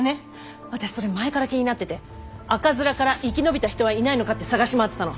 私それ前から気になってて赤面から生き延びた人はいないのかって探し回ってたの！